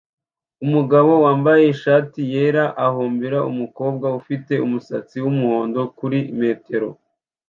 Umugabo wambaye ishati yera ahobera umukobwa ufite umusatsi wumuhondo kuri metero